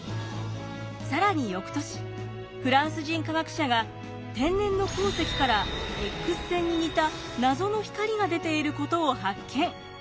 更に翌年フランス人科学者が天然の鉱石からＸ線に似た謎の光が出ていることを発見。